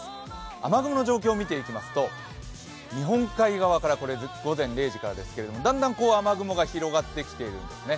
雨雲の状況を見ていきますと日本海側から午前０時からですけれども、だんだん雨雲が広がってきているんですね。